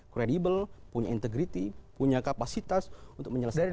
kredibel punya integrity punya kapasitas untuk menyelesaikan